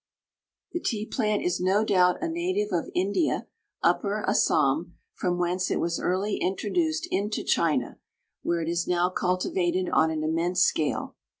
The tea plant is no doubt a native of India, upper Assam, from whence it was early introduced into China, where it is now cultivated on an immense scale.